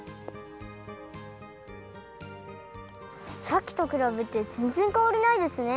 さっきとくらべてぜんぜんかわりないですね。